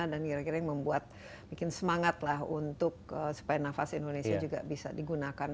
dan kira kira yang membuat bikin semangatlah untuk supaya nafas indonesia juga bisa digunakan